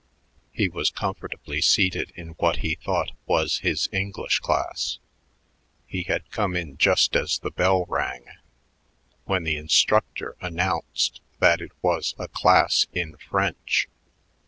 He was comfortably seated in what he thought was his English class he had come in just as the bell rang when the instructor announced that it was a class in French.